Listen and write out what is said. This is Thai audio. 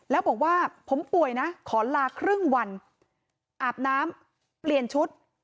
แล้วบอกว่าผมป่วยนะขอลาครึ่งวันอาบน้ำเปลี่ยนชุด